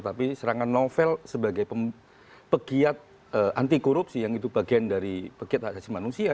tapi serangan novel sebagai pekiat anti korupsi yang itu bagian dari pekiat asasi manusia